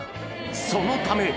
そのため。